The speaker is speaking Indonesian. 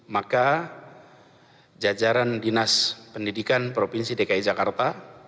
maka jajaran dinas pendidikan provinsi dki jakarta